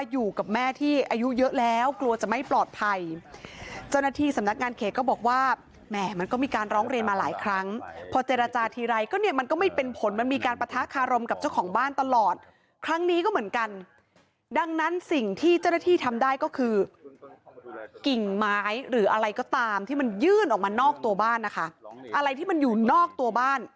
อยู่กับแม่ที่อายุเยอะแล้วกลัวจะไม่ปลอดภัยเจ้าหน้าที่สำนักงานเขตก็บอกว่าแหม่มันก็มีการร้องเรียนมาหลายครั้งพอเจรจาทีไรก็เนี่ยมันก็ไม่เป็นผลมันมีการปะทะคารมกับเจ้าของบ้านตลอดครั้งนี้ก็เหมือนกันดังนั้นสิ่งที่เจ้าหน้าที่ทำได้ก็คือกิ่งไม้หรืออะไรก็ตามที่มันยื่นออกมานอกตัวบ้านนะคะอะไรที่มันอยู่นอกตัวบ้าน